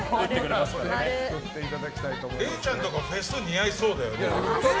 れいちゃんとかフェス似合いそうだね。